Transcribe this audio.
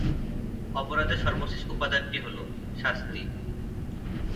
অপরাধের সর্বশেষ উপাদানটি হলো শাস্তি।